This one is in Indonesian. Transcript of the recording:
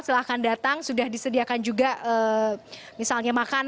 silahkan datang sudah disediakan juga misalnya makanan